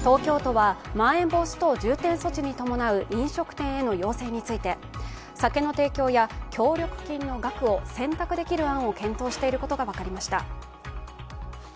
東京都はまん延防止等重点措置に伴う飲食店への要請について酒の提供や協力金の額を選択できる案を検討していることが分かりました。